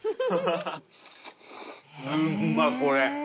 うまっこれ。